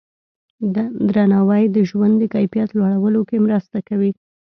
درناوی د ژوند د کیفیت لوړولو کې مرسته کوي.